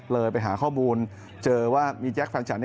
ไปหาข้อมูลเจอว่ามีแจ๊คแฟนฉัน